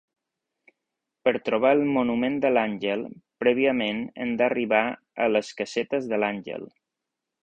Per trobar el Monument de l'Àngel, prèviament hem d'arribar a les Casetes de l'Àngel.